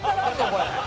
これ。